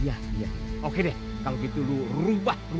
iya iya oke deh kalau gitu lu rubah